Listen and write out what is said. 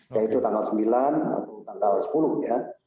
yaitu tanggal sembilan atau tanggal sepuluh ya